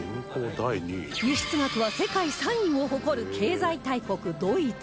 輸出額は世界３位を誇る経済大国ドイツ